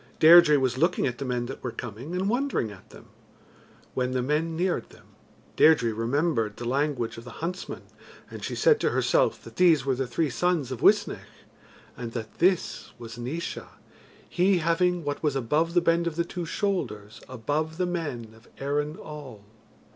Deirdre was looking at the men that were coming, and wondering at them. When the men neared them, Deirdre remembered the language of the huntsman, and she said to herself that these were the three sons of Uisnech, and that this was Naois, he having what was above the bend of the two shoulders above the men of Erin all.